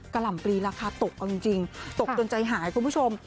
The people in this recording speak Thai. หล่ำปลีราคาตกเอาจริงตกจนใจหายคุณผู้ชม